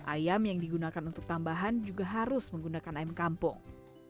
ayam yang digunakan untuk tambahan juga harus menggunakan ayam kampung